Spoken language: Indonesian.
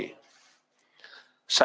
saya mengucapkan terima kasih